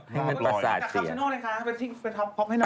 เนี่ยมันประสาทใช่เปล่าเป็นการแซมเนอลนะคะ